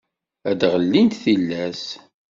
ad d-ɣellint tillas.